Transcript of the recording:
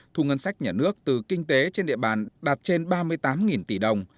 thu ngân sách nhà nước từ kinh tế trên địa bàn đạt trên ba mươi tám tỷ đồng